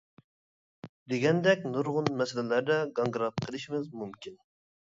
دېگەندەك نۇرغۇن مەسىلىلەردە گاڭگىراپ قېلىشىمىز مۇمكىن.